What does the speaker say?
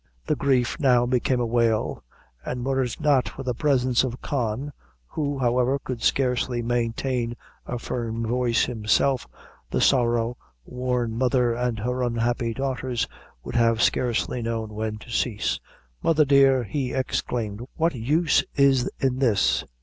The grief now became a wail; and were it not for the presence of Con, who, however, could scarcely maintain a firm voice himself, the sorrow worn mother and her unhappy daughters would have scarcely known when to cease. "Mother dear!" he exclaimed "what use is in this?